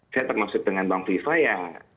saya termasuk dengan bang viva ya